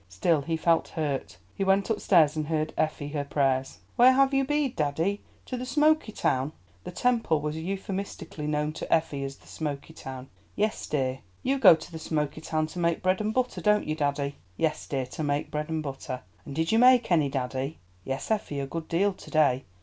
Still he felt hurt. He went upstairs and heard Effie her prayers. "Where has you beed, daddy?—to the Smoky Town?" The Temple was euphemistically known to Effie as the Smoky Town. "Yes, dear." "You go to the Smoky Town to make bread and butter, don't you, daddy?" "Yes, dear, to make bread and butter." "And did you make any, daddy?" "Yes, Effie, a good deal to day."